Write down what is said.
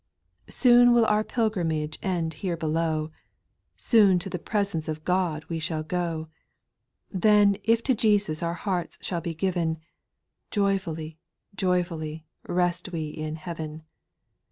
2. Soon will our pilgrimage end here below. Soon to the presence of God wc shall go ; Then if to Jesus our hearts shall be given, Joyfully, joyfully, rest we in heaven.